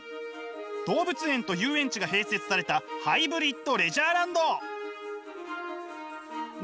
動物園と遊園地が併設されたハイブリッドレジャーランド。